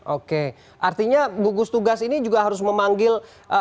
oke artinya gugus tugas ini juga harus memanggil